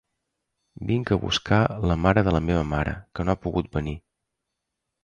Vinc a buscar la mare de la meva mare, que no ha pogut venir.